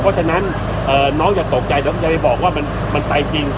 เพราะฉะนั้นน้องอย่าตกใจน้องอย่าไปบอกว่ามันไปจริง